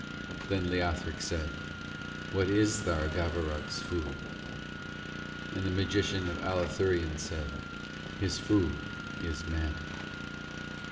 Then Leothric said: 'What is Tharagavverug's food?' And the magician of Allathurion said: 'His food is men.'